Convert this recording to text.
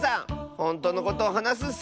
ほんとうのことをはなすッス！